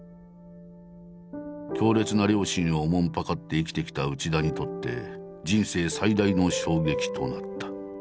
強烈な両親をおもんぱかって生きてきた内田にとって人生最大の衝撃となった。